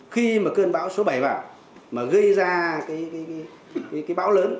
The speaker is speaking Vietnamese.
khi mà cơn bão số bảy vào mà gây ra cái bão lớn